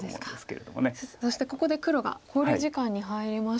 そしてここで黒が考慮時間に入りましたが。